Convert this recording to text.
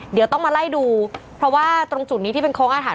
เดี๋ยวต้องมาไล่ดูเพราะว่าตรงจุดนี้ที่เป็นโค้งอาถรร